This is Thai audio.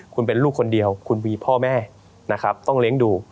คุณเป็นลูกคนเดียวคุณมีพ่อแม่นะครับต้องเลี้ยงดู